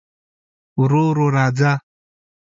ورو ورو راځه